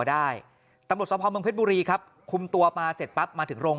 ได้ตำรวจสภาพเมืองเพชรบุรีครับคุมตัวมาเสร็จปั๊บมาถึงโรง